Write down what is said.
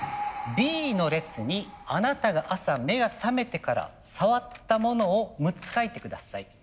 「Ｂの列にあなたが朝目がさめてから触ったものを六つかいてください」。